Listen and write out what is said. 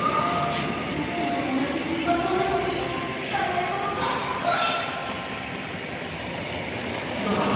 いつもとおなじ銀河町なのにしらないことばっかり！